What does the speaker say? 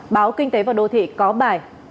báo kinh tế và đô thị có bài